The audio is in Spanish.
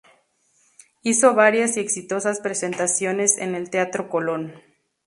Hizo varias y exitosas presentaciones en el Teatro Colón.